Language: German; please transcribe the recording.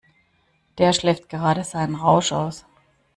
Der schläft gerade seinen Rausch aus.